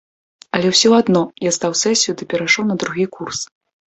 Але ўсё адно я здаў сесію ды перайшоў на другі курс.